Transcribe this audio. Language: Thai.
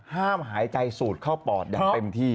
ห้ามหายใจสูดเข้าปอดอย่างเต็มที่